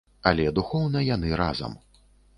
Але духоўна яны разам.